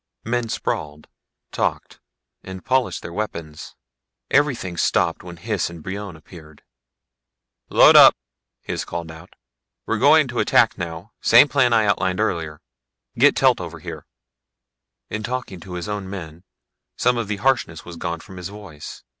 Men sprawled, talked, and polished their weapons. Everything stopped when Hys and Brion appeared. "Load up," Hys called out. "We're going to attack now, same plan I outlined earlier. Get Telt over here." In talking to his own men some of the harshness was gone from his voice.